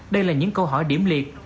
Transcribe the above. đây là những câu hỏi điểm liệt